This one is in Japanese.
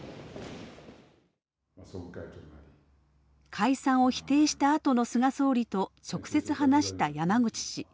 解散を否定したあとの菅総理と直接話した山口氏。